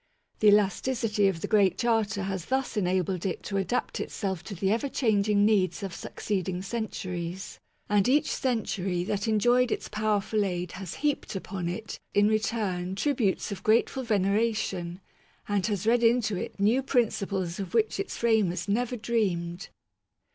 The elasticity of the Great Charter has thus enabled it to adapt itself to the ever changing needs of suc ceeding centuries; and each century that enjoyed its powerful aid has heaped upon it, in return, tributes of grateful veneration, and has read into it new prin ciples of which its framers never dreamed.